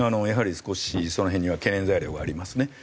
やはり少しその辺には懸念材料がありますね。